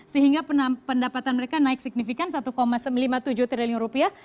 sehingga pendapatan mereka naik signifikan satu lima puluh tujuh triliun rupiah